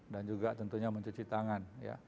dan juga tentunya mencuci tangan